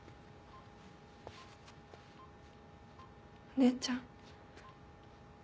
お姉ちゃん。